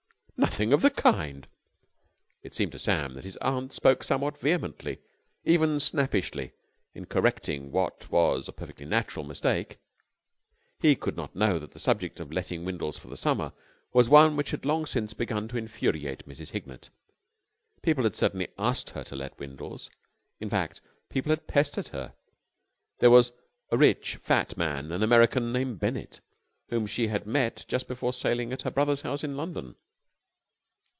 "Nothing of the kind!" It seemed to Sam that his aunt spoke somewhat vehemently, even snappishly, in correcting what was a perfectly natural mistake. He could not know that the subject of letting Windles for the summer was one which had long since begun to infuriate Mrs. Hignett. People had certainly asked her to let Windles. In fact people had pestered her. There was a rich fat man, an American named Bennett, whom she had met just before sailing at her brother's house in London.